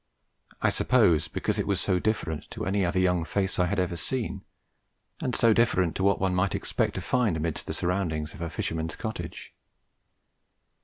I suppose because it was so different to an other young face I had ever seen, and so different to what one might expect to find amid the surroundings of a fisherman's cottage.